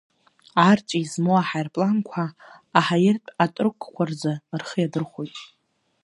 Арҵәи змоу аҳаирпланқәа аҳаиртә атрукқәа рзы рхы иадырхәоит.